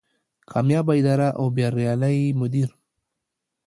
کاميابه اداره او بريالی مدير